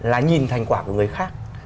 là nhìn thành quả của người khác